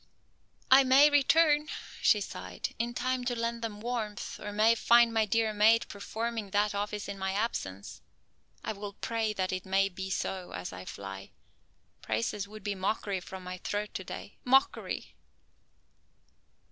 "I may return," she sighed, "in time to lend them warmth, or may find my dear mate performing that office in my absence. I will pray that it may be so as I fly. Praises would be mockery from my throat to day, mockery!"